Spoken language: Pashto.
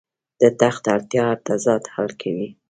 د تخت اړتیا هر تضاد حل کوي.